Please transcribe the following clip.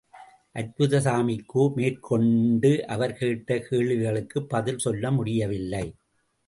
அற்புதசாமிக்கோ, மேற்கொண்டு அவர் கேட்ட கேள்விகளுக்கு பதில் சொல்ல முடியவில்லை.